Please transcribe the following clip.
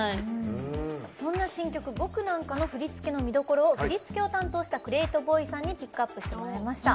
そんな新曲「僕なんか」の振り付けの見どころを振り付けを担当したＣＲＥ８ＢＯＹさんにピックアップしてもらいました。